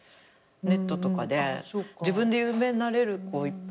ネットとかで自分で有名になれる子いっぱいいる。